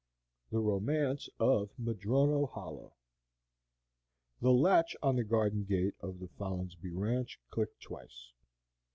THE ROMANCE OF MADRONO HOLLOW. The latch on the garden gate of the Folinsbee Ranch clicked twice.